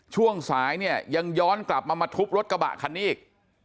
ช่วงสายเนี่ยยังย้อนกลับมามาทุบรถกระบะคันนี้อีก